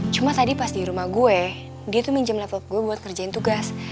cuma tadi pas di rumah gue dia tuh minjem level gue buat kerjain tugas